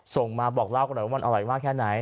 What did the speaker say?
ส่งมาบอกเล่ากันหน่อยว่ามันอร่อยมากแค่ไหน